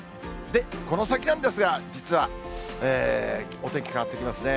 この先なんですが、実はお天気変わってきますね。